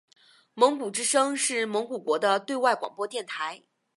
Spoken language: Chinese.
蒙古之声是蒙古国的对外广播电台。